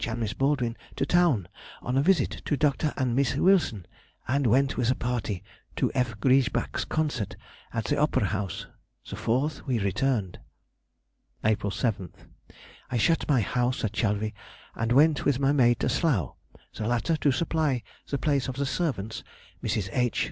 and Miss Baldwin to town on a visit to Dr. and Miss Wilson, and went with a party to F. Griesbach's concert at the Opera House. The 4th we returned. April 7th.—I shut my house at Chalvy, and went with my maid to Slough, the latter to supply the place of the servants Mrs. H.